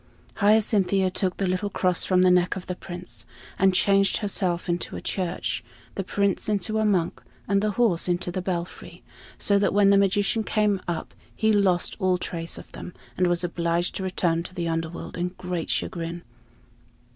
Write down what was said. Hyacinthia took the little cross from the neck of the Prince, and changed herself into a church, the Prince into a monk, and the horse into the belfry; so that when the magician came up he lost all trace of them, and was obliged to return to the Underworld in great chagrin.